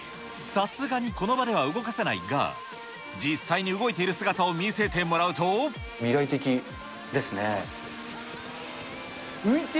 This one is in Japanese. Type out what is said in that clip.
さすがにこの場では動かせないが、実際に動いている姿を見せ未来的ですね。